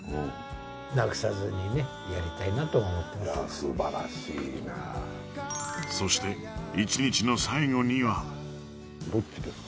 素晴らしいなそして１日の最後にはどっちですか？